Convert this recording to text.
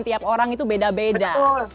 tiap orang itu beda beda